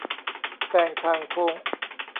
แซงทางโค้ง